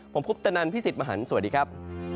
ผมคุปตะนันพี่สิทธิ์มหันฯสวัสดีครับ